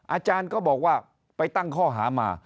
อาจารย์ก็บอกว่าไปตั้งข้อหามา